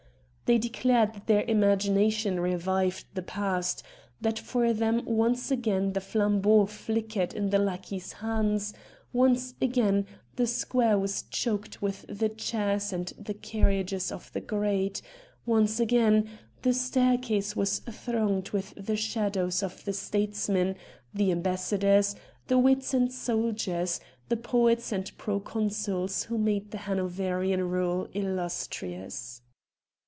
They declared that their imagination VOL. I. B 2 RED DIAMONDS revived the past ; that for them once again the flambeaux flickered in the lackeys' hands ; once again the square was choked with the chairs and the carriages of the great ; once again the staircase was thronged with the shadows of the statesmen, the ambassadors, the wits and soldiers, the poets and proconsuls who made the Hanoverian rule illustrious.